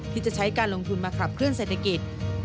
ที่จะใช้การลงทุนมาขับเคลื่อเศรษฐกิจ